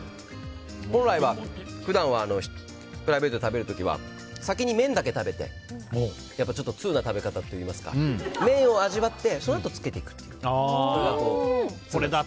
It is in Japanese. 本来はプライベートで食べる時は先に麺だけ食べて通な食べ方といいますか麺を味わってそのあと、つけていくという。